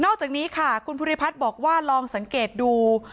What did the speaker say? อกจากนี้ค่ะคุณภูริพัฒน์บอกว่าลองสังเกตดู